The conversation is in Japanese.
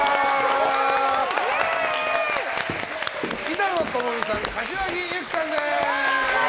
板野友美さん柏木由紀さんです！